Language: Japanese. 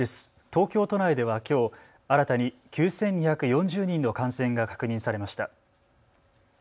東京都内ではきょう新たに９２４０人の感染が確認されました。